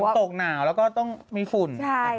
ฝนตกหนาวต้องมีฝุ่น